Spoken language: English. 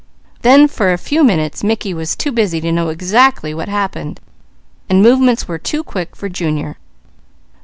Then for a few minutes Mickey was too busy to know exactly what happened, and movements were too quick for Junior.